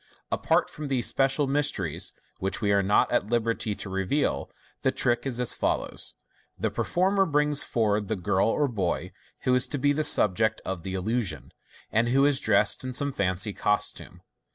Fig. 312. Apart from these special mysteries, which we are not at liberty to reveal, the trick is as follows :— The performer brings forward the girl or boy who is to be the subject of the illusion, and who is dressed MODERM MAGIC. 497 in some fancy costume.